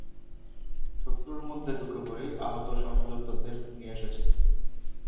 শত্রুর মধ্যে ঢুকে পড়ে আহত সহযোদ্ধাদের নিয়ে এসেছেন।